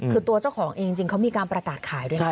คือตัวเจ้าของเองจริงเขามีการประกาศขายด้วยนะ